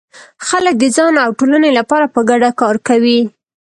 خلک د ځان او ټولنې لپاره په ګډه کار کوي.